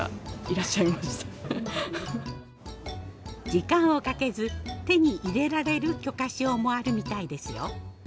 時間をかけず手に入れられる許可証もあるみたいですよ。